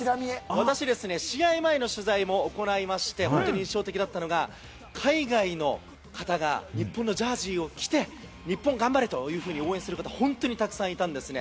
私、試合前の取材も行いまして、印象的だったのが、海外の方が日本のジャージーを着て、日本頑張れ！というふうに応援する方、本当にたくさんいたんですね。